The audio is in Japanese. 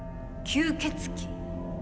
吸血鬼。